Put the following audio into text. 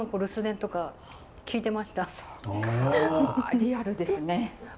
リアルですね。